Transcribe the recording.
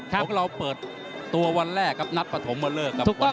เพราะเราเปิดตัววันแรกกับนัถพฐมมหรือกับวันที่ห้ากันยา